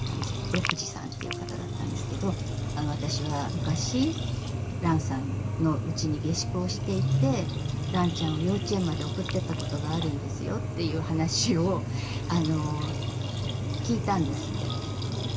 禄二さんという方だったんですけど私は昔蘭さんのうちに下宿をしていて蘭ちゃんを幼稚園まで送ってったことがあるんですよという話を聞いたんですって。